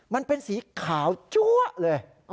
มันเป็นสีขาวจั๊วเลย